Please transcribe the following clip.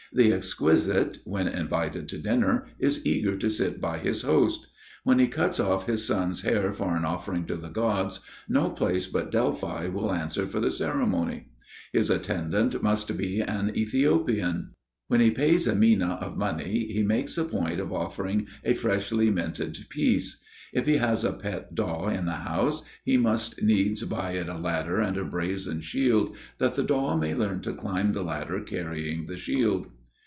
The exquisite when invited to dinner, is eager to sit by his host. When he cuts off his son's hair for an offering to the gods, no place but Delphi will answer for the ceremony. His attendant must be an Ethiopian. When he pays a mina of money he makes a point of offering a freshly minted piece. If he has a pet daw in the house, he must needs buy it a ladder and a brazen shield, that the daw may learn to climb the ladder carrying the shield.